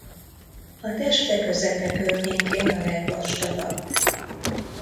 A teste közepe környékén a legvastagabb.